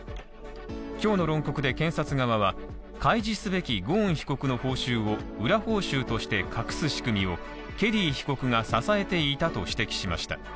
今日の論告で検察側は、開示すべきゴーン被告の報酬を裏報酬として隠す仕組みをケリー被告が支えていたと指摘しました。